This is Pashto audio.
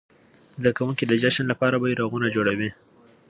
زده کوونکي د جشن لپاره بيرغونه جوړوي.